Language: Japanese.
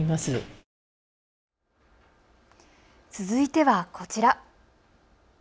続いてはこちら。